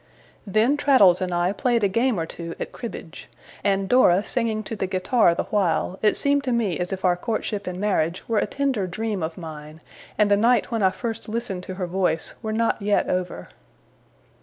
Then Traddles and I played a game or two at cribbage; and Dora singing to the guitar the while, it seemed to me as if our courtship and marriage were a tender dream of mine, and the night when I first listened to her voice were not yet over.